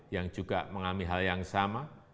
yang juga mengalami hal yang sama